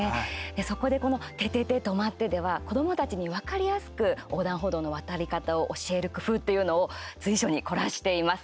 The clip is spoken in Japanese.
そこでこの「ててて！とまって！」では子どもたちに分かりやすく横断歩道の渡り方を教える工夫というのを随所に凝らしています。